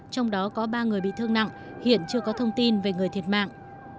trong đó có ba người bị thương nặng hiện chưa có thông tin về người thiệt mạng